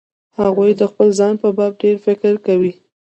هغوی د خپل ځان په باب ډېر فکر کوي.